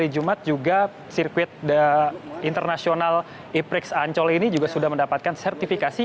jumat juga sirkuit internasional e prix ancol ini juga sudah mendapatkan sertifikasi